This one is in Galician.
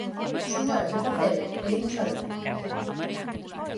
Son horas de facelo, e imos aló.